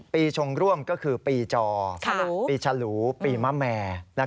ชงร่วมก็คือปีจอปีฉลูปีมะแม่